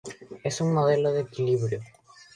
Es un modelo de equilibrio.